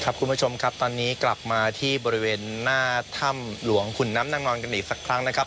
คุณผู้ชมครับตอนนี้กลับมาที่บริเวณหน้าถ้ำหลวงขุนน้ำนางนอนกันอีกสักครั้งนะครับ